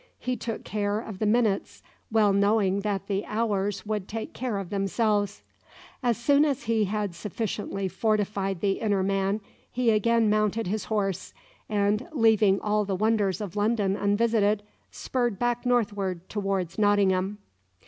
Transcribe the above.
He took care of the minutes, well knowing that the hours would take care of themselves. As soon as he had sufficiently fortified the inner man, he again mounted his horse, and leaving all the wonders of London unvisited, spurred back northward towards Nottingham.